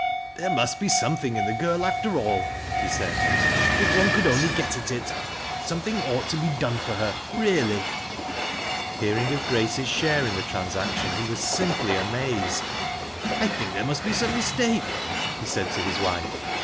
"There must be something in the girl, after all," be said, " if one could only get at it. Something ought to bo done for her, really." Hearing of Grace's share in the transaction, he wm limply amazed. " 1 think there must be some mistake," he said to his wife.